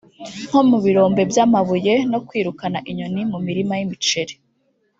nko mu birombe by’amabuye no kwirukana inyoni mu mirima y’imiceri